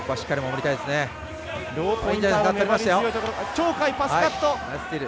鳥海、パスカット。